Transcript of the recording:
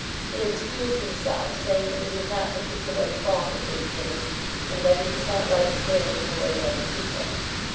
He excused himself saying that he was not particularly fond of big dinners, and that he did not like standing in the way of other people.